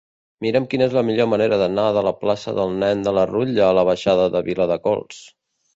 Mira'm quina és la millor manera d'anar de la plaça del Nen de la Rutlla a la baixada de Viladecols.